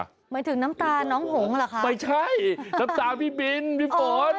หมายถึงน้ำตาน้องหงเหรอคะไม่ใช่น้ำตาพี่บินพี่ฝน